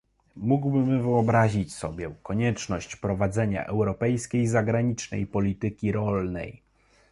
Mógłbym wyobrazić sobie konieczność prowadzenia europejskiej zagranicznej polityki rolnej